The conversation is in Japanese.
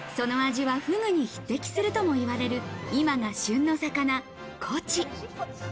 さらにその味は、フグに匹敵するともいわれる、今が旬の魚・コチ。